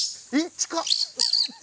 近っ。